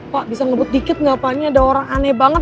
pak bisa ngebut dikit gak apa apanya ada orang aneh banget